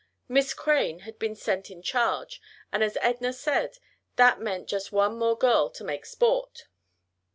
Miss Crane had been sent in charge, and as Edna said, that meant just one more girl to make sport.